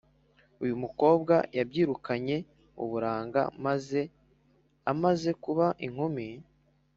uyu mukobwa yabyirukanye uburanga maze amaze kuba inkumi